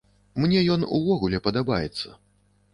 Мне ён увогуле падабаецца.